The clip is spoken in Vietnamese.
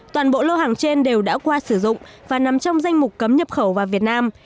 toàn bộ lô hàng trên đều đã qua sử dụng và nằm trong danh mục cấm nhập khẩu vào việt nam